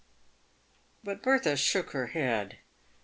But Bertha shook her head.